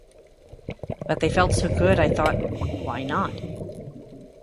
But they felt so good, I thought 'Why not?